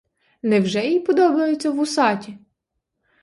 Невже їй подобаються вусаті?